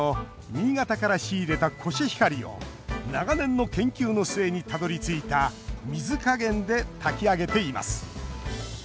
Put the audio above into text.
新潟から仕入れたコシヒカリを長年の研究の末にたどりついた水加減で炊き上げています。